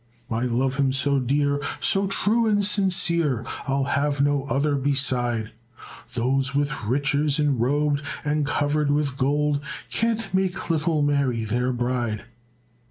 I love him so dear, so true and sincere, I'll have no other beside; Those with riches enrobed and covered with gold Can't make little Mary their bride."